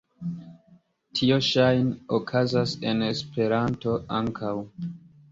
Tio ŝajne okazas en Esperanto ankaŭ.